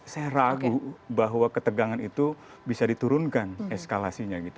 saya ragu bahwa ketegangan itu bisa diturunkan eskalasinya gitu